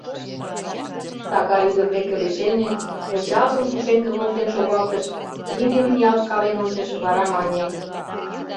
Сакар ӱдыр деке лишеме, пычалжым пушеҥге воктен шогалтыш, имньым ниялткален ончыш, вара мане: